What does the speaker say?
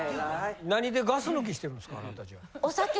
何でガス抜きしてるんですか？